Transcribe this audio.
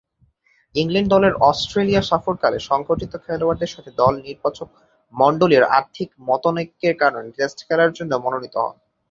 England দলের Australia সফরকালে সংঘটিত খেলোয়াড়দের সাথে দল নির্বাচকমণ্ডলীর আর্থিক মতানৈক্যের কারণে টেস্ট খেলার জন্যে মনোনীত হন।